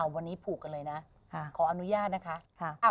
วันนี้ผูกกันเลยนะขออนุญาตนะคะ